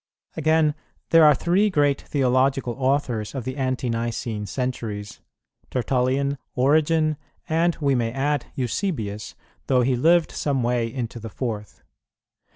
Again, there are three great theological authors of the Ante nicene centuries, Tertullian, Origen, and, we may add, Eusebius, though he lived some way into the fourth.